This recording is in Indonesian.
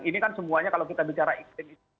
ini kan semuanya kalau kita bicara iklim